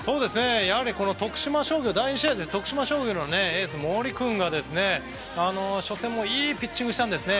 やはり徳島商業のエース、森君が初戦もいいピッチングしたんですね。